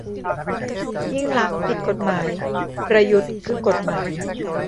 ยิ่งลักษณ์ผิดกฎหมาย ประยุทธ์คือกฎหมาย